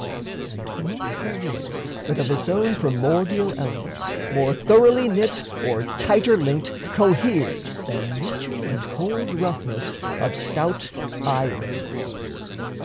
And naught there is That of its own primordial elements More thoroughly knit or tighter linked coheres Than nature and cold roughness of stout iron.